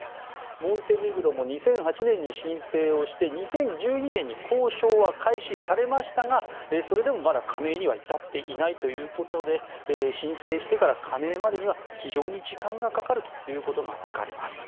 モンテネグロも２００８年に申請をして２０１２年に交渉は開始されましたが加盟には至っていないということで申請してから加盟までには非常に時間がかかるということが分かります。